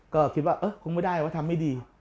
ก็คิดว่าเออคงไม่ได้ว่าทำไม่ดี